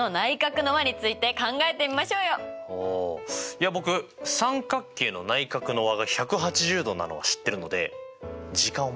いや僕三角形の内角の和が１８０°なのは知ってるので時間をもらえればいけます。